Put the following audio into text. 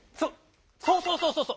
そうそうそうそうそう！